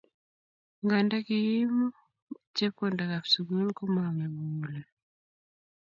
Nganda kiimu chepkondokab sukul komame mugulel